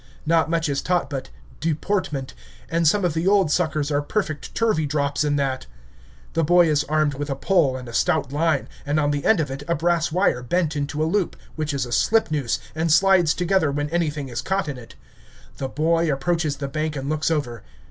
Not much is taught but "deportment," and some of the old suckers are perfect Turveydrops in that. The boy is armed with a pole and a stout line, and on the end of it a brass wire bent into a hoop, which is a slipnoose, and slides together when anything is caught in it. The boy approaches the bank and looks over.